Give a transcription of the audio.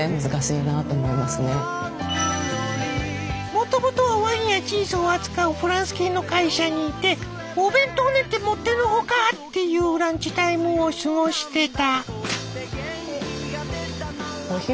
もともとはワインやチーズを扱うフランス系の会社にいて「お弁当なんてもってのほか！」っていうランチタイムを過ごしてた。